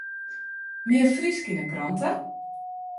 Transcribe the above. Mear Frysk yn ’e krante?